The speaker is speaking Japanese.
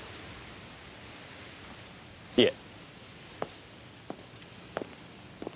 いえ。